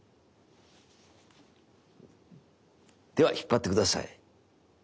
では引っ張って下さい。